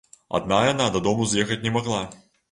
Адна яна дадому з'ехаць не магла.